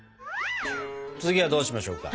次はどうしましょうか？